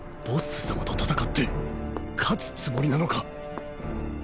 ボッス様と戦って勝つつもりなのか？